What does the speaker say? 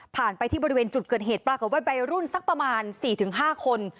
ไปที่บริเวณจุดเกิดเหตุปรากฏว่าวัยรุ่นสักประมาณ๔๕คน